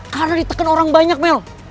karena diteken orang banyak mel